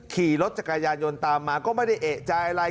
ขี่รถจักรยานยนต์ตามมาก็ไม่ได้เอกใจอะไร